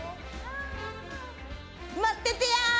待っててや！